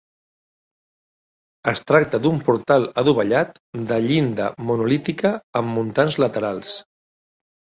Es tracta d’un portal adovellat, de llinda monolítica amb muntants laterals.